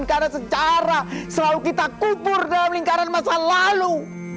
karena sejarah selalu kita kubur dalam lingkaran masa lalu